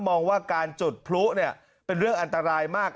มองว่าการจุดพลุเนี่ยเป็นเรื่องอันตรายมาก